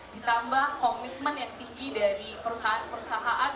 ditambah komitmen yang tinggi dari perusahaan perusahaan